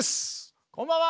こんばんは！